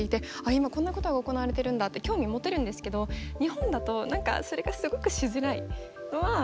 今こんなことが行われてるんだって興味持てるんですけど日本だと何かそれがすごくしづらいのは悲しいなって。